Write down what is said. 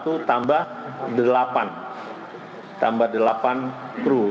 kita lagi cek lagi menghubungi para yang terkait dengan keluarga ini